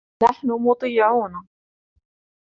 نحن مطيعون.